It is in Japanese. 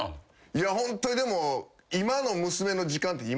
いやホントにでも。